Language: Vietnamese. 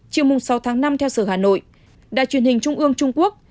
chiều sáu tháng năm theo sở hà nội đài truyền hình trung ương trung quốc